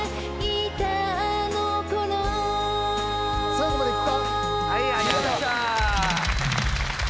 最後までいくか？